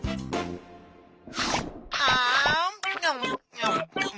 あん。